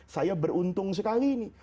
saya beruntung sekali ini